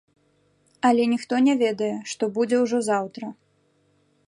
Але ніхто не ведае, што будзе ўжо заўтра.